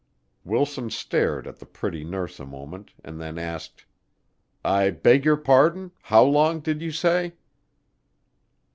Wilson stared at the pretty nurse a moment and then asked, "I beg your pardon how long did you say?"